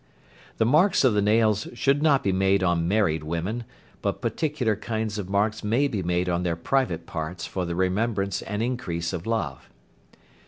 The marks of the nails should not be made on married women, but particular kinds of marks may be made on their private parts for the remembrance and increase of love.